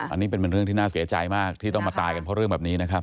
อันนี้เป็นเรื่องที่น่าเสียใจมากที่ต้องมาตายกันเพราะเรื่องแบบนี้นะครับ